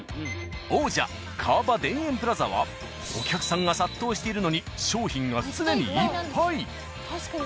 王者・川場田園プラザはお客さんが殺到しているのに商品が常にいっぱい。